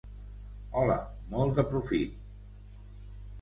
Hola, molt de profit!